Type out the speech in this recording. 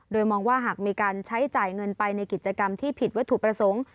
โดยมองว่าหากมีการใช้จ่ายเงินไปในกิจกรรมที่ผิดวัตถุประสงค์